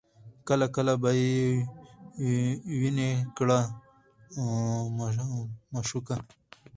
کله کله به یې ویني کړه مشوکه